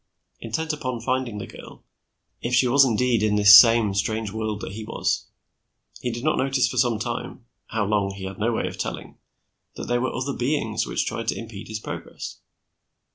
Intent upon finding the girl, if she was indeed in this same strange world that he was, he did not notice for some time how long, he had no way of telling that there were other beings which tried to impede his progress.